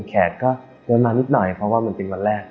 แขกก็เดินมานิดหน่อยเพราะว่ามันเป็นวันแรก